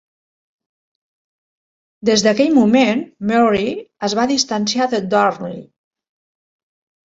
Des d'aquell moment, Mary es va distanciar de Darnley.